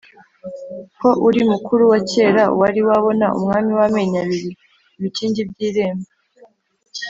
Ko uri mukuru wa kera wari wabona umwami w'amenyo abiri ?-Ibikingi by'irembo.